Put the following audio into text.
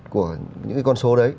của những cái con số đấy